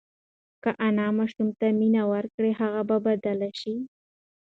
که انا ماشوم ته مینه ورکړي، هغه به بدل شي.